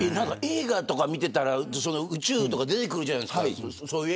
映画とか見ていたら、宇宙とか出てくるじゃないですか。